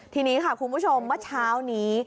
ทีนี้ค่ะคุณผู้ชมเมื่อเช้านี้